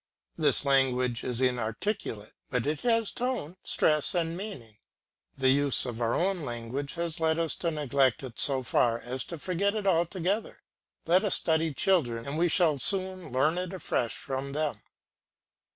This language is inarticulate, but it has tone, stress, and meaning. The use of our own language has led us to neglect it so far as to forget it altogether. Let us study children and we shall soon learn it afresh from them.